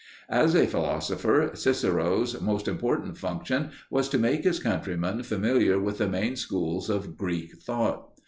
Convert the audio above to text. As a philosopher, Cicero's most important function was to make his countrymen familiar with the main schools of Greek thought.